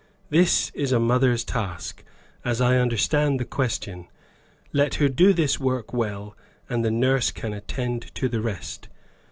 This is a mother's task as I understand the question let her do this work well, and the nurse can attend to the rest.